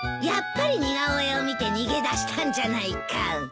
やっぱり似顔絵を見て逃げ出したんじゃないか。